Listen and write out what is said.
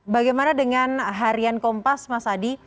bagaimana dengan harian kompas mas adi